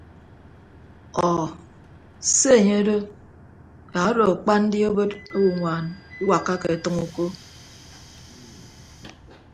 Ọọ se enye odo yak odo akpa ndi obod owoñwan iwakkake ọtʌñ uko.